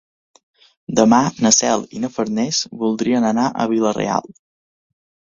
Demà na Cel i na Farners voldrien anar a Vila-real.